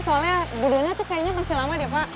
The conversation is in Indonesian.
soalnya buddhanya tuh kayaknya masih lama deh pak